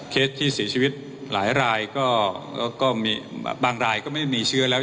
ที่เสียชีวิตหลายรายก็มีบางรายก็ไม่มีเชื้อแล้ว